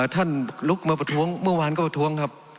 ลุกมาประท้วงเมื่อวานก็ประท้วงครับ